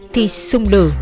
thì xung lử